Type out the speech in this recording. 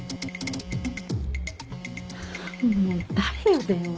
もう誰よ電話。